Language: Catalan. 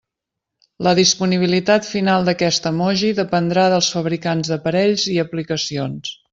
La disponibilitat final d'aquest emoji dependrà dels fabricants d'aparells i aplicacions.